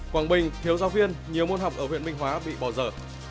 quảng bình thiếu giáo viên nhiều môn học ở huyện minh hóa bị bỏ giờ